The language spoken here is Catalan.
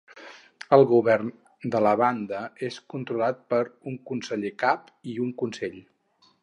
El govern de la banda és controlat per un conseller cap i un consell.